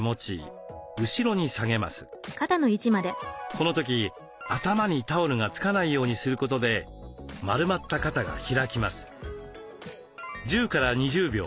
この時頭にタオルがつかないようにすることで丸まった肩が開きます。